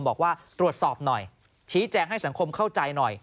บอกว่าตรวจสอบหน่อยชี้แจงให้สังคมเข้าใจหน่อย